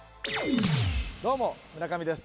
どうも村上です。